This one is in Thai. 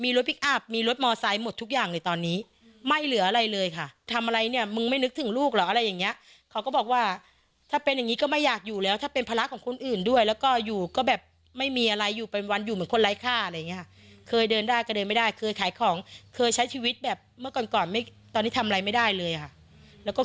รถพลิกอัพมีรถมอไซค์หมดทุกอย่างเลยตอนนี้ไม่เหลืออะไรเลยค่ะทำอะไรเนี่ยมึงไม่นึกถึงลูกเหรออะไรอย่างเงี้ยเขาก็บอกว่าถ้าเป็นอย่างงี้ก็ไม่อยากอยู่แล้วถ้าเป็นภาระของคนอื่นด้วยแล้วก็อยู่ก็แบบไม่มีอะไรอยู่เป็นวันอยู่เหมือนคนไร้ค่าอะไรอย่างเงี้ค่ะเคยเดินได้ก็เดินไม่ได้เคยขายของเคยใช้ชีวิตแบบเมื่อก่อนก่อนไม่ตอนนี้ทำอะไรไม่ได้เลยค่ะแล้วก็